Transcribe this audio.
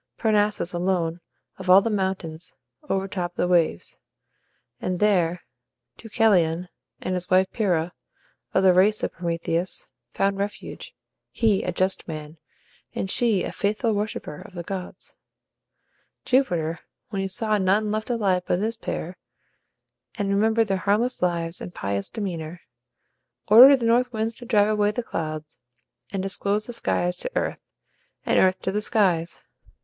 Parnassus alone, of all the mountains, overtopped the waves; and there Deucalion, and his wife Pyrrha, of the race of Prometheus, found refuge he a just man, and she a faithful worshipper of the gods. Jupiter, when he saw none left alive but this pair, and remembered their harmless lives and pious demeanor, ordered the north winds to drive away the clouds, and disclose the skies to earth, and earth to the skies.